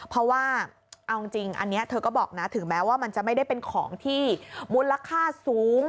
เพราะว่าเอาจริงอันนี้เธอก็บอกนะถึงแม้ว่ามันจะไม่ได้เป็นของที่มูลค่าสูง